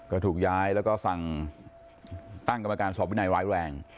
ก็ถูกย้ายแล้วก็สั่งตั้งกรรมการสอบวินัยร้ายแรง